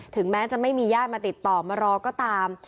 แม้จะไม่มีญาติมาติดต่อมารอก็ตาม